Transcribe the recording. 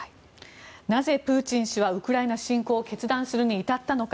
なぜプーチン氏はウクライナ侵攻を決断するに至ったのか。